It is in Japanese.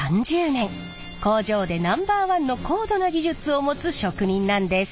工場でナンバーワンの高度な技術を持つ職人なんです。